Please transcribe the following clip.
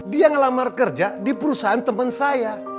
dia ngelamar kerja di perusahaan teman saya